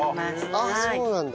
あっそうなんだ。